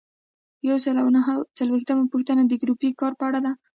یو سل او نهه څلویښتمه پوښتنه د ګروپي کار په اړه ده.